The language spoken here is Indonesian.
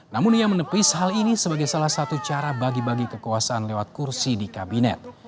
namun ia menepis hal ini sebagai salah satu cara bagi bagi kekuasaan lewat kursi di kabinet